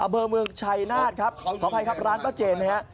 อเบอร์เมืองชัยนาธขออภัยครับร้านป้าเจนนะครับ